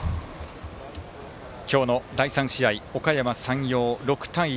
今日の第３試合おかやま山陽、６対１。